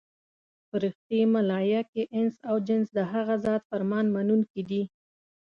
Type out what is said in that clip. فرښتې، ملایکې، انس او جن د هغه ذات فرمان منونکي دي.